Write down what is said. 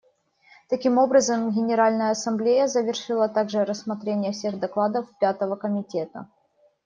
Таким образом, Генеральная Ассамблея завершила также рассмотрение всех докладов Пятого комитета.